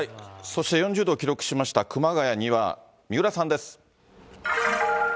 そして４０度を記録しました熊谷には三浦さんです。